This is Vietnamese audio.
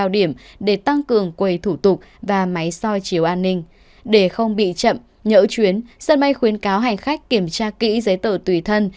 để không bị chậm nhỡ chuyến sân bay khuyến cáo hành khách kiểm tra kỹ giấy tờ tùy thân